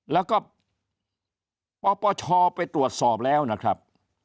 แล้วก็ปปชไปตรวจสอบแล้วนะครับ